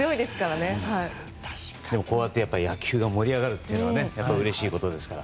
こうやって野球が盛り上がるというのはうれしいことですから。